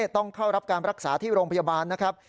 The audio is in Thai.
ต้องเข้ารับการรักษาที่โรงพยาบาลนะครับ